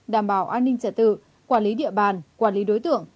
đảm bảo an ninh trật tự quản lý địa bàn quản lý đối tượng